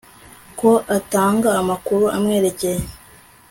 ko atanga amakuru amwerekeye